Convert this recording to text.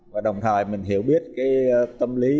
và đồng thời mình hiểu biết cái tâm lý